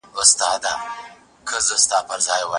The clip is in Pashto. افغانستان له نړیوالو قوانینو سره تل سمون نه لري.